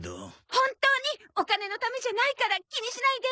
本当にお金のためじゃないから気にしないで！